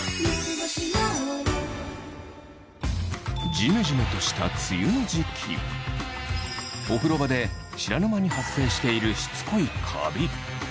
ジメジメとした梅雨の時期お風呂場で知らぬ間に発生しているしつこいカビ